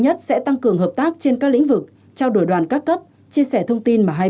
nhất sẽ tăng cường hợp tác trên các lĩnh vực trao đổi đoàn các cấp chia sẻ thông tin mà hai